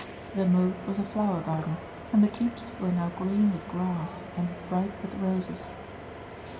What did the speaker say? The moat was a flower garden and the keeps were now green with grass and bright with roses.